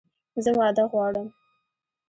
زه واده غواړم!